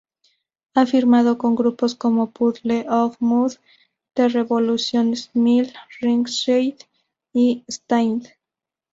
Ha firmado con grupos como Puddle of Mudd, The Revolution Smile, Ringside, y Staind.